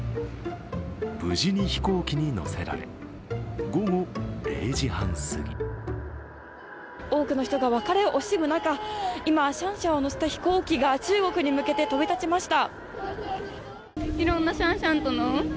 無事に飛行機に乗せられ午後０時半過ぎ多くの人が別れを惜しむ中、今、シャンシャンを乗せた飛行機が中国に向けて飛び立ちました。